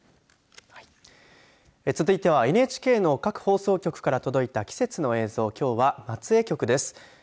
続いてはＮＨＫの各放送局から届いた季節の映像きょうは松江局です。